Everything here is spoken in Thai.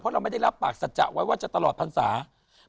เพราะเราไม่ได้รับปากสัจจะไว้ว่าจะตลอดพันธ์ศาสตร์